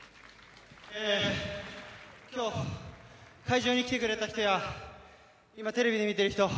今日、会場に来てくれた人や今、テレビで見ている人